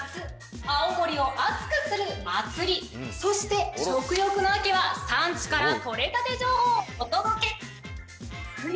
青森を熱くする祭りそして食欲の秋は産地からとれたて情報をお届け冬